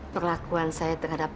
perlakuan saya terhadap